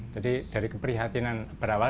jadi dari keprihatinan berawal